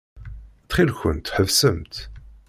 Ttxil-kent, ḥebsemt.